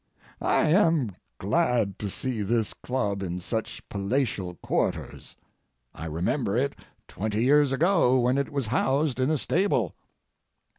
I am glad to see this club in such palatial quarters. I remember it twenty years ago when it was housed in a stable.